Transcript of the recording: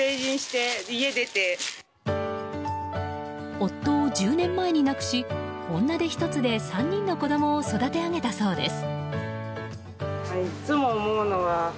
夫を１０年前に亡くし女手ひとつで３人の子供を育て上げたそうです。